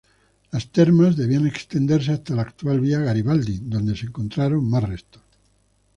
Las termas debían extenderse hasta la actual Via Garibaldi, donde se encontraron más restos.